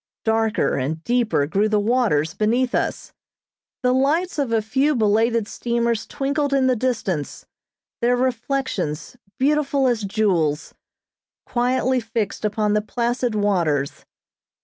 Darker and deeper grew the waters beneath us. The lights of a few belated steamers, twinkled in the distance, their reflections, beautiful as jewels, quietly fixed upon the placid waters.